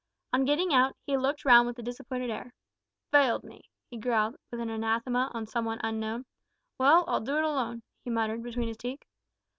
On getting out, he looked round with a disappointed air. "Failed me!" he growled, with an anathema on some one unknown. "Well, I'll do it alone," he muttered, between his teeth.